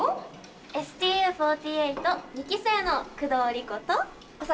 ＳＴＵ４８２期生の工藤理子と。